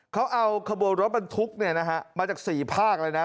เขาเอาขบวนรถบรรทุกมาจาก๔ภาคเลยนะ